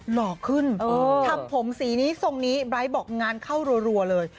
หล่อขึ้นทำผมสีนี้ทรงนี้ไบร์ทบอกงานเข้ารัวเลย